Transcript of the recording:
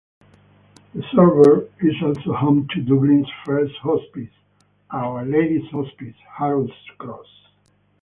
The suburb is also home to Dublin's first hospice, "Our Lady's Hospice, Harold's Cross".